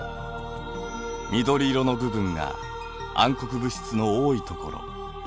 緑色の部分が暗黒物質の多いところ。